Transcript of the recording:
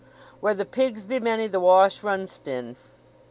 Where the pigs be many the wash runs thin."